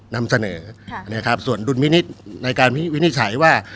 นำเสนอส่วนรุ่นวินิจในการวินิจฉัยว่า